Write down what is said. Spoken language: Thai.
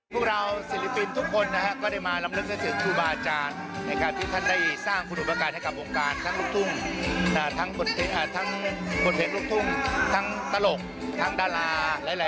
และศิลปินอีกหนึ่งนะคะที่จะขึ้นเวทีร้องเพลงมอบความสุขให้กับชาวบ้านในวันนี้คือพี่โอ้งสลักจิตสวัสดีค่ะ